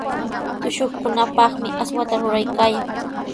Tushuqkunapaqmi aswata ruraykaayan.